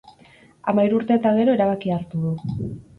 Hamairu urte eta gero, erabakia hartu du.